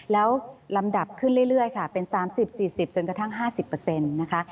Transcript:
แล้วลำดับขึ้นเรื่อยค่ะเป็น๓๐๔๐จนกระทั่ง๕๐นะคะ